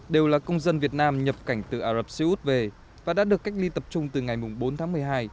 một nghìn ba trăm bảy mươi chín đều là công dân việt nam nhập cảnh từ ả rập xê út về và đã được cách ly tập trung từ ngày bốn tháng một mươi hai